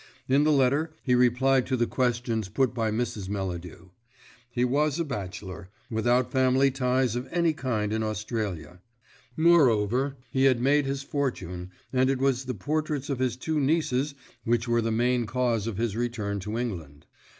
In the letter he replied to the questions put by Mrs. Melladew. He was a bachelor, without family ties of any kind in Australia. Moreover, he had made his fortune, and it was the portraits of his two nieces which were the main cause of his return to England.